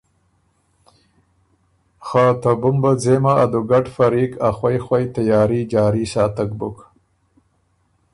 خه ته بُمبه ځېمه ا دُوګډ فریق ا خوئ خوئ تیاري جاري ساتک بُک